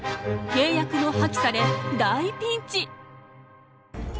契約も破棄され大ピンチ！